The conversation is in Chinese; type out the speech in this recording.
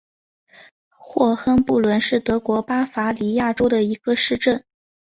霍亨布伦是德国巴伐利亚州的一个市镇。